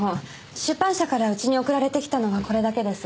出版社からうちに送られてきたのはこれだけです。